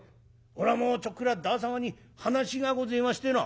「おらもちょっくら旦様に話がごぜえましてな」。